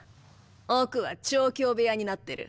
奥は調教部屋になってる。